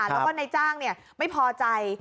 แล้วก็นายจ้างไม่พอใจ